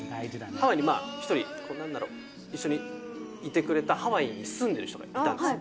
ハワイにまあ、１人、なんだろう、一緒にいてくれた、ハワイに住んでる人がいたんですよ。